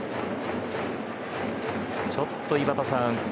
ちょっと井端さん